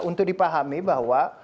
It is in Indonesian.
untuk dipahami bahwa